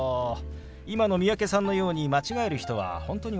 今の三宅さんのように間違える人は本当に多いんですよ。